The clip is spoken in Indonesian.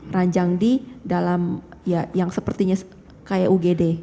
ranjang di dalam ya yang sepertinya kayak ugd